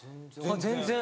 全然！